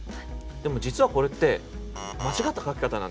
でも実はこれって間違った書き方なんですよ。